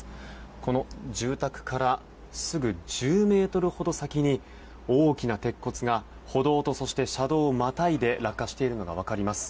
この住宅からすぐ、１０ｍほど先に大きな鉄骨が歩道とそして車道をまたいで落下しているのが分かります。